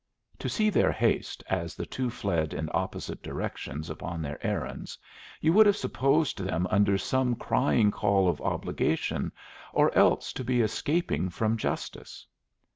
To see their haste, as the two fled in opposite directions upon their errands, you would have supposed them under some crying call of obligation, or else to be escaping from justice.